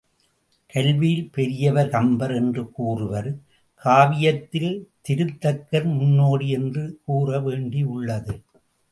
கல்வியில் பெரியவர் கம்பர் என்று கூறுவர் காவியத்தில் திருத்தக்கர் முன்னோடி என்று கூற வேண்டியுள்ளது.